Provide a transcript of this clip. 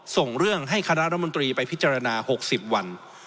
ส่งเรื่องให้คณะรัฐมนตรีไปพิจารณา๖๐วัน